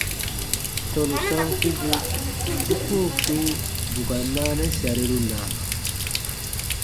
Tɔnu sankubu bu koo kpĩ bù ka naanɛ sariru na?